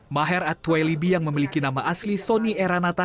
maher at twailibi yang memiliki nama asli sonny eranata